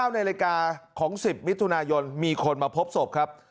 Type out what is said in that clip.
๙นาฬิกาของ๑๐มิถุนายนมีคนมาพบศพครับ